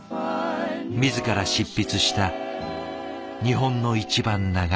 自ら執筆した「日本のいちばん長い日」。